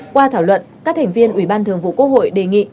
qua thảo luận các thành viên ubth đề nghị